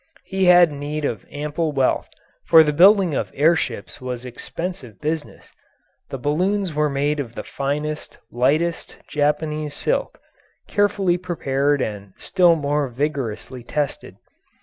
He had need of ample wealth, for the building of air ships was expensive business. The balloons were made of the finest, lightest Japanese silk, carefully prepared and still more vigorously tested.